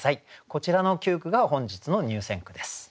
こちらの９句が本日の入選句です。